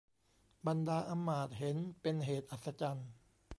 บรรดาอำมาตย์เห็นเป็นเหตุอัศจรรย์